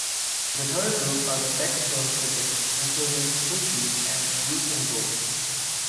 The third group are the textual critics, including Hu Shi and Yu Pingbo.